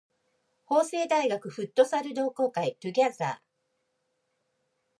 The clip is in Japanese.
法政大学フットサル同好会 together